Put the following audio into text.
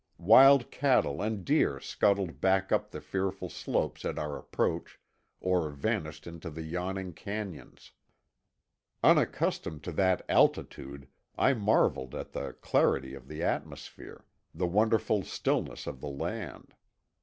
Wild cattle and deer scuttled back up the fearful slopes at our approach, or vanished into the yawning canyons. Unaccustomed to that altitude, I marveled at the clarity of the atmosphere, the wonderful stillness of the land.